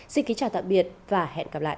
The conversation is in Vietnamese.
xin kính chào tạm biệt và hẹn gặp lại